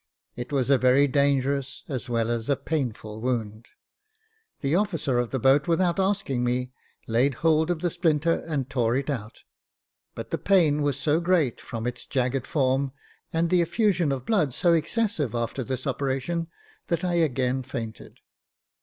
It was a very dangerous as well as a painful wound. The officer of the boat, without asking me, laid hold of the splinter and tore it out ; but the pain was so great, from its jagged form, and the effusion of blood so excessive after this operation, that I again fainted.